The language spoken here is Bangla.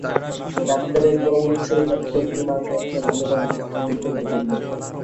ডাক্তারের পরামর্শ লইয়া অতিযত্নে তাহাকে একটা ভালো বাড়িতে স্থানান্তরিত করিল।